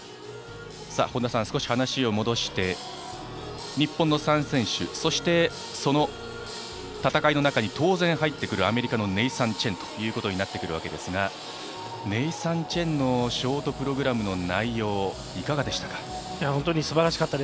本田さん、少し話を戻して日本の３選手そして、その戦いの中に当然、入ってくるアメリカのネイサン・チェンとなってくるわけですがネイサン・チェンのショートプログラムの内容いかがでしたか？